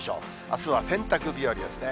あすは洗濯日和ですね。